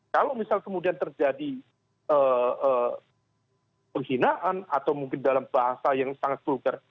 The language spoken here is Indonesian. kalau misal kemudian terjadi penghinaan atau mungkin dalam bahasa yang sangat vulgar